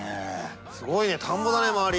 すごいね田んぼだね周り。